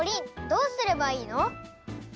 どうすればいいの？